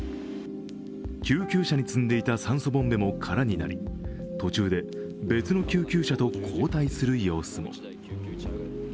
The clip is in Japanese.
救急車に積んでいた酸素ボンベも空になり、途中で別の救急車と交代する様子も。